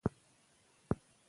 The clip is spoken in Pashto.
د ماشوم غوږونه له شور وساتئ.